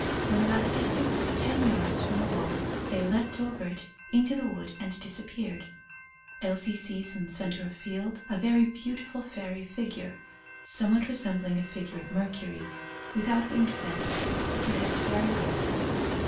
When about a distance of ten yards from the wall they leapt over it into the wood and disappeared. Elsie sees in centre of field a very beautiful fairy figure, somewhat resembling a figure of Mercury, without winged sandals, but has fairy wings.